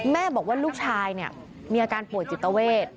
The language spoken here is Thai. แม่บอกว่าลูกชายมีอาการป่วยจิตเวท